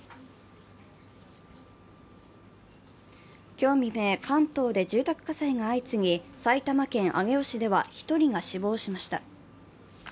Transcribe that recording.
今日未明、関東で住宅火災が相次ぎ埼玉県上尾市では１人が死亡しました。